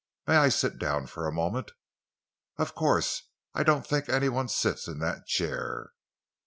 "May I sit down for a moment?" "Of course! I don't think any one sits in that chair."